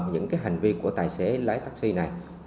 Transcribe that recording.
những hành vi của tài xế lái taxi này